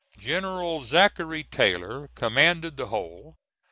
General Zachary Taylor commanded the whole.